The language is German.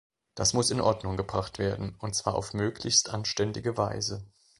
Das muss in Ordnung gebracht werden, und zwar auf möglichst anständige Weise.